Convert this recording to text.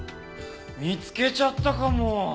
見つけちゃったかも。